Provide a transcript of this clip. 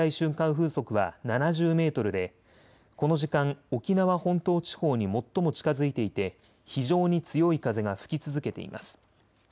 風速は７０メートルでこの時間、沖縄本島地方に最も近づいていて非常に強い風が吹き続けています。